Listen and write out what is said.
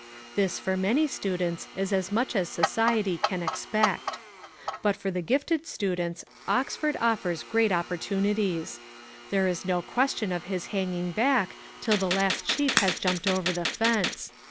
This for many students is as much as society can expect. But for the gifted students Oxford offers great opportunities. There is no question of his hanging back till the last sheep has jumped over the fence.